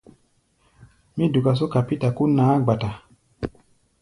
Mí duka só kapíta kó naá-gba-ta.